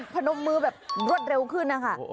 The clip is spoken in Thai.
พนมมือแบบรวดเร็วขึ้นนะคะ